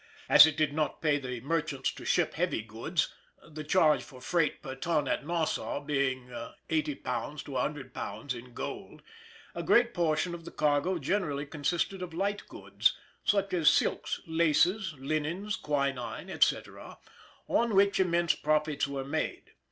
As it did not pay merchants to ship heavy goods, the charge for freight per ton at Nassau being £80 to £100 in gold, a great portion of the cargo generally consisted of light goods, such as silks, laces, linens, quinine, etc., on which immense profits were made.